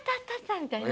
みたいな。